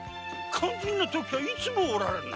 肝心の時にはいつもおられぬ。